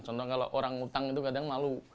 contohnya kalau orang utang itu kadang malu